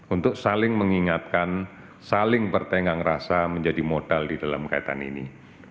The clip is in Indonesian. untuk saling mengingatkan saling bertenggang rasa menjadi modal di dalam kaitan ini